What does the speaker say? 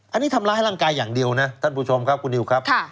อันนี้ทำร้ายร่างกายอย่างเดียวนะท่านผู้ชมครับคุณนิวครับ